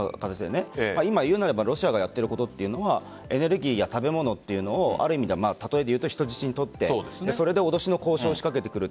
今言うなればロシアがやっていることというのはエネルギーや食べ物というのをたとえで言うと、人質に取って今年の交渉を仕掛けてくる。